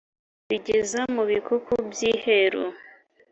Bigeza mu Bikuku by'iheru